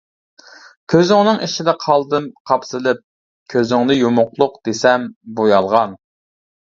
كۆزۈڭنىڭ ئىچىدە قالدىم قاپسىلىپ، كۆزۈڭنى يۇمۇقلۇق دېسەم، بۇ يالغان!